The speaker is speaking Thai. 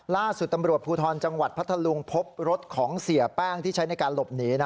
ล่าสุดตำรวจภูทรจังหวัดพัทธลุงพบรถของเสียแป้งที่ใช้ในการหลบหนี